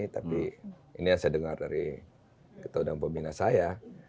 tapi ini yang saya dengar dari ketua dan pembina saya